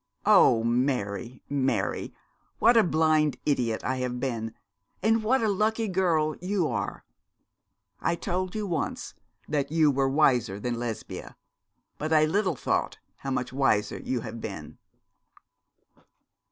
'Oh, Mary, Mary, what a blind idiot I have been, and what a lucky girl you are! I told you once that you were wiser than Lesbia, but I little thought how much wiser you had been.'